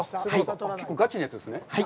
結構がちなやつですね。